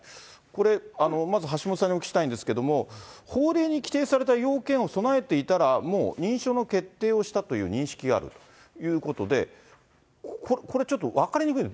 これ、まず橋下さんにお聞きしたいんですけれども、法令に規定された要件を備えていたら、もう認証の決定をしたという認識があるということで、これ、ちょっと、分かりにくい。